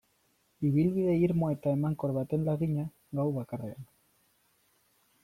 Ibilbide irmo eta emankor baten lagina, gau bakarrean.